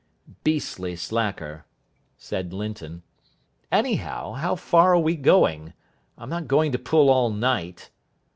"Beastly slacker," said Linton. "Anyhow, how far are we going? I'm not going to pull all night."